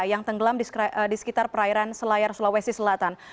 yang tenggelam di sekitar perairan selayar sulawesi selatan